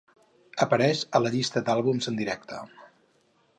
Apareix a la llista d'àlbums en directe.